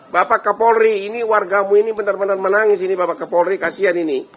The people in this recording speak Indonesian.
bapak kapolri ini wargamu ini benar benar menangis ini bapak kapolri kasihan ini